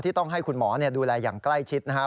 ต้องให้คุณหมอดูแลอย่างใกล้ชิดนะครับ